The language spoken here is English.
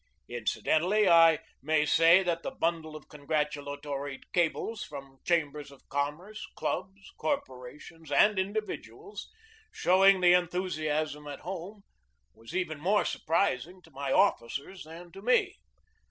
Incidentally, I may say that the bundle of con gratulatory cables from chambers of commerce, clubs, corporations, and individuals showing the enthusiasm at home was even more surprising to my officers than to me.